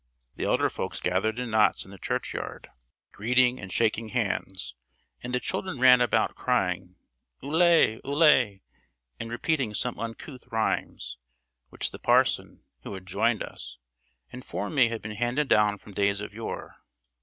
The elder folks gathered in knots in the churchyard, greeting and shaking hands; and the children ran about crying, Ule! Ule! and repeating some uncouth rhymes,[F] which the parson, who had joined us, informed me had been handed down from days of yore.